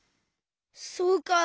そうか。